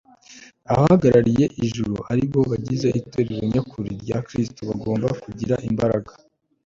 abahagarariye ijuru ari bo bagize itorero nyakuri rya kristo, bagomba kugira imbaraga